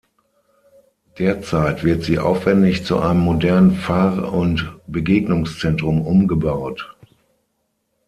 Derzeit wird sie aufwendig zu einem modernen Pfarr- und Begegnungszentrum umgebaut.